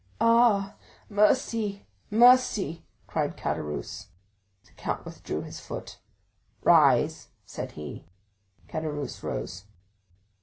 "Ah, mercy—mercy!" cried Caderousse. The count withdrew his foot. 40162m "Rise!" said he. Caderousse rose.